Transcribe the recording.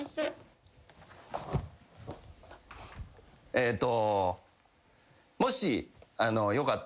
えっと。